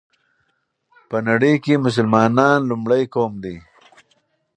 په نړۍ كې مسلمانان لومړى قوم دى